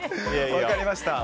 分かりました。